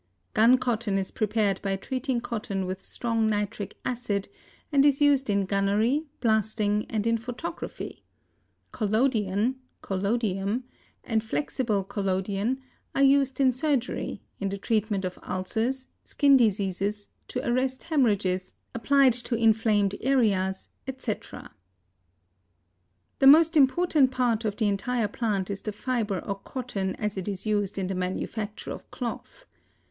Gun cotton is prepared by treating cotton with strong nitric acid and is used in gunnery, blasting and in photography. Collodion (collodium) and flexible collodion are used in surgery, in the treatment of ulcers, skin diseases, to arrest hemorrhages, applied to inflamed areas, etc. The most important part of the entire plant is the fiber or cotton as it is used in the manufacture of cloth.